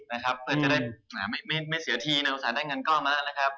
นะครับเพื่อจะไม่เสียทีในภาษาใดที่ได้เงินก่อนมานะครับ